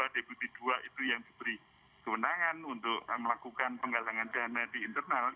deputi ii itu yang diberi kewenangan untuk melakukan penggalangan dana di internal